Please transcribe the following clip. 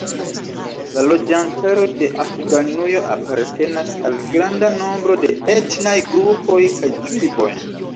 La loĝantaro de Afganujo apartenas al granda nombro de etnaj grupoj kaj triboj.